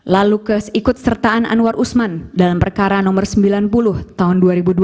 lalu keikut sertaan anwar usman dalam perkara nomor sembilan puluh tahun dua ribu dua puluh